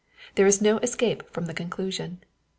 There is no escape from the conclusion.